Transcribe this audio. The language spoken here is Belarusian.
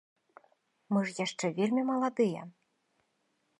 Мы ж яшчэ вельмі маладыя!